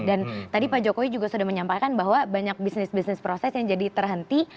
dan tadi pak jokowi juga sudah menyampaikan bahwa banyak bisnis bisnis proses yang jadi terhenti